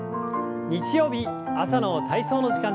日曜日朝の体操の時間です。